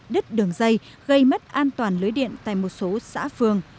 đứt đường dây gây mất an toàn lưới điện tại một số xã phường